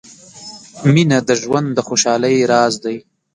• مینه د ژوند د خوشحالۍ راز دی.